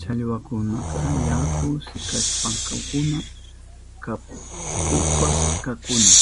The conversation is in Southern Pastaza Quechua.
Challwakunaka yakuta sikashpankuna kuchpashkakuna.